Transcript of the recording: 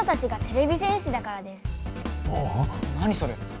何それ。